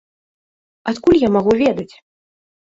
Адкуль я магу ведаць?